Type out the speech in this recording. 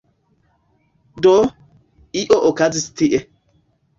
Do… io okazis tie.